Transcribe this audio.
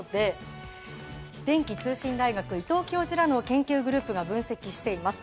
電気通信大学の伊藤教授らの研究グループが分析しています。